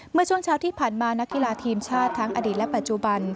เมื่อช่วงเช้าที่ผ่านมานักกีฬาทีมชาติทั้งอดีตและปัจจุบัน